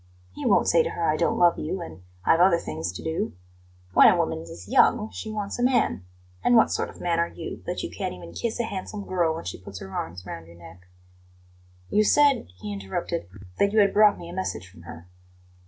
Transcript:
He won't say to her: 'I don't love you,' and: 'I've other things to do.' When a woman is young, she wants a man; and what sort of man are you, that you can't even kiss a handsome girl when she puts her arms round your neck?" "You said," he interrupted, "that you had brought me a message from her."